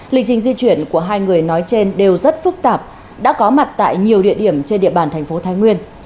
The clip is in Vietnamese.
lịch trình di chuyển của hai người nói trên đều rất phức tạp đã có mặt tại nhiều địa điểm trên địa bàn thành phố thái nguyên